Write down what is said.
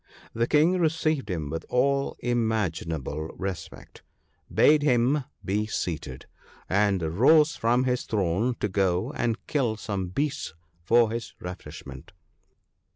The King received him with all imaginable respect, bade him be seated, and rose from his throne to go and kill some beasts for his refreshment.